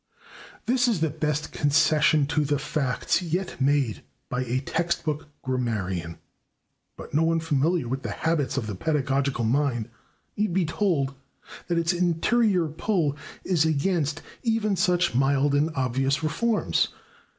This is the best concession to the facts yet made by a text book grammarian. But no one familiar with the habits of the pedagogical mind need be told that its interior pull is against even such mild and obvious reforms.